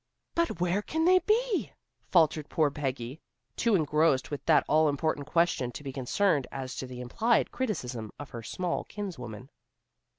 "But where can they be?" faltered poor Peggy, too engrossed with that all important question to be concerned as to the implied criticism of her small kinswoman.